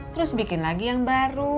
terus bikin lagi yang baru